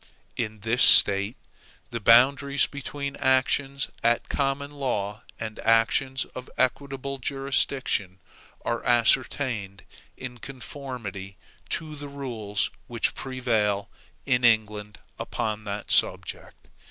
In this State, the boundaries between actions at common law and actions of equitable jurisdiction, are ascertained in conformity to the rules which prevail in England upon that subject.